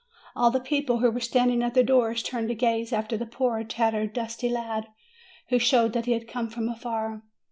All the people who were standing at their doors turned to gaze after the poor, tattered, dusty lad, who showed that he had come from afar.